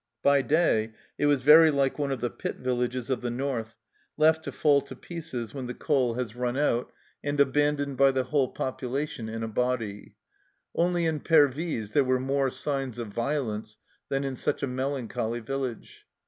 By day it was very like one of the pit villages of the North, left to fall to pieces when the coal has run 169 22 170 THE CELLAR HOUSE OF PERVYSE out, and abandoned by the whole population in a body ; only in Pervyse there were more signs of violence than in such a melancholy village.